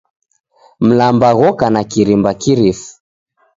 Mlamba ghoka na kirimba kirifu